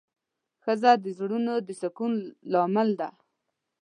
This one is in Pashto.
ښځه د زړونو د سکون لامل ده.